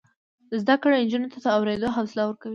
زده کړه نجونو ته د اوریدلو حوصله ورکوي.